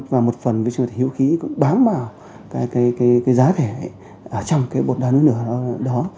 và một phần viên sinh vật hiếu khí cũng bám vào cái giá thể ở trong cái bột đá núi lửa đó